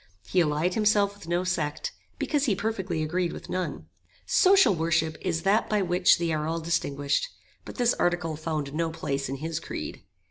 He allied himself with no sect, because he perfectly agreed with none. Social worship is that by which they are all distinguished; but this article found no place in his creed.